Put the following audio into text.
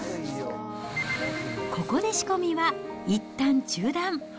ここで仕込みはいったん中断。